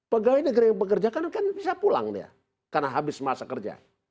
pegawai negeri yang bekerja kan bisa pulang dia karena habis masa kerja